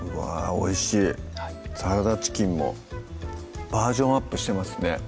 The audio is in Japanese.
おいしいはいサラダチキンもバージョンアップしてますね